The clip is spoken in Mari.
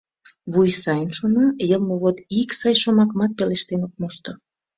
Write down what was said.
Вуй сайын шона, йылме вот ик сай шомакымат пелештен ок мошто.